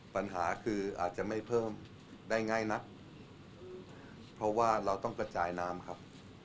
ปัญหาคืออาจจะไม่เพิ่มได้ง่ายนักเพราะว่าเราต้องกระจายน้ำครับ